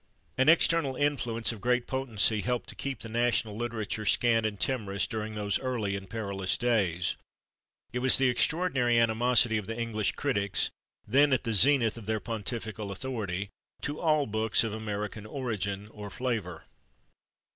An external influence of great potency helped to keep the national literature scant and timorous during those early and perilous days. It was the extraordinary animosity of the English critics, then at the zenith of their pontifical authority, to all books of American origin or flavor.